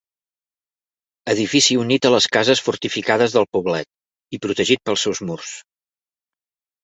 Edifici unit a les cases fortificades del poblet i protegit pels seus murs.